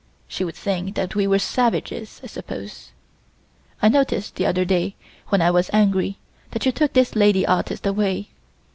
She would think that we were savages, I suppose. I noticed the other day, when I was angry, that you took this lady artist away.